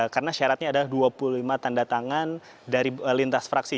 karena syaratnya ada dua puluh lima tanda tangan dari lintas fraksi